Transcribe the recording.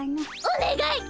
おねがいっ！